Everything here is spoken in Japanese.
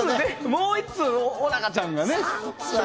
もう１通、小高ちゃんがね。